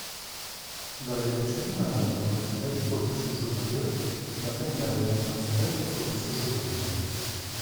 De la Direcció General d'Universitat i Formació Superior depén l'Àrea d'Universitats i Formació Superior.